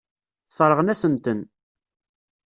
Sseṛɣen-asen-ten.